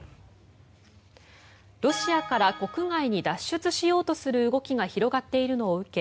ロシアから国外に脱出しようとする動きが広がっているのを受け